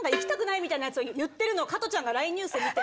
みたいなやつを言ってるのを加トちゃんがＬＩＮＥニュースで見て。